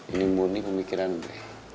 ini murni pemikiran be